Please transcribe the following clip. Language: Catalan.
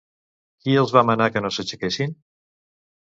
Qui els va manar que no s'aixequessin?